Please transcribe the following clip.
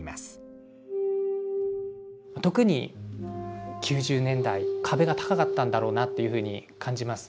特に９０年代壁が高かったんだろうなっていうふうに感じます。